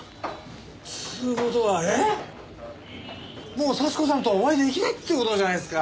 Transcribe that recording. もう幸子さんとお会いできないって事じゃないですか！